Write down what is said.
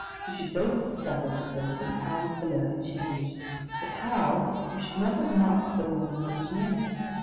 We should both discover that the little towns below had changed but how, we should not have marked them well enough to know.